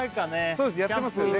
そうですやってますよね